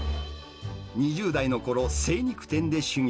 ２０代のころ、精肉店で修業。